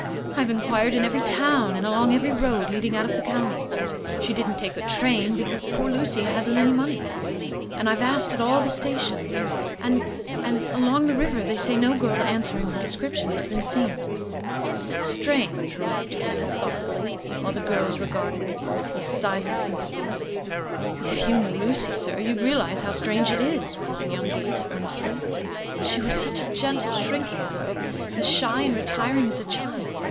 I've inquired in every town, and along every road leading out of the county. She didn't take a train, because poor Lucy hadn't any money and I've asked at all the stations. And and along the river they say no girl answering her description has been seen." "It's strange," remarked Kenneth, thoughtfully, while the girls regarded the youth with silent sympathy. "If you knew Lucy, sir, you'd realize how strange it is," went on young Gates, earnestly. "She was such a gentle, shrinking girl, as shy and retiring as a child.